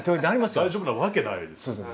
大丈夫なわけないですよね。